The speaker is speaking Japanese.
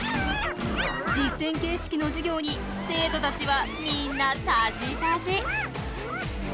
実践形式の授業に生徒たちはみんなたじたじ。